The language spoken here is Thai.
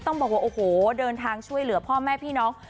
ต้องบอกว่าโอ้โหเดินทางช่วยเหลือพ่อแม่พี่น้อง